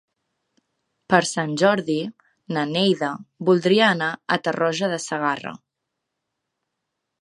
Per Sant Jordi na Neida voldria anar a Tarroja de Segarra.